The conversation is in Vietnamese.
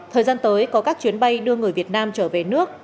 thời gian tới có các chuyến bay đưa người việt nam trở về nước